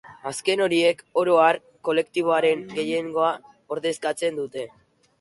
Azken horiek, oro har, kolektiboaren gehiengoa ordezkatzen dute.